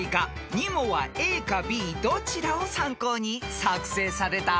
［ニモはＡかＢどちらを参考に作成された？］